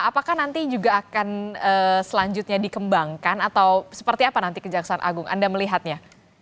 apakah nanti juga akan selanjutnya dikembangkan atau seperti apa nanti kejaksaan agung anda melihatnya